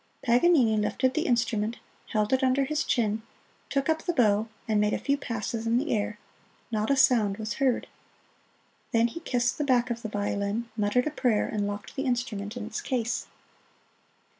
Paganini lifted the instrument, held it under his chin, took up the bow and made a few passes in the air not a sound was heard. Then he kissed the back of the violin, muttered a prayer, and locked the instrument in its case.